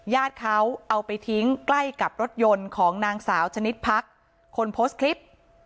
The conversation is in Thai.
ญาติเขาเอาไปทิ้งใกล้กับรถยนต์ของนางสาวชนิดพักคนโพสต์คลิป